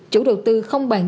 chủ đầu tư không bàn bộ